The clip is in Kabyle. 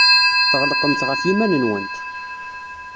Tɣelqemt ɣef yiman-nwent.